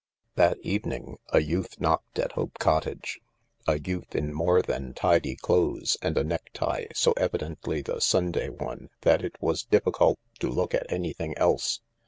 That evening a youth knocked at Hope Cottage — a youth in more than tidy clothes and a necktie so evidently tbft Sunday one that it was difficult to look at anything else.